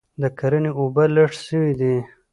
د کرني اوبه لږ سوي دي